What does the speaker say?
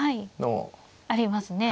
ありますね。